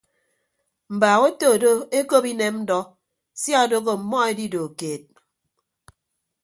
Mbaak oto ke ndo ekop inem ndọ sia odooho ọmmọ edido keed.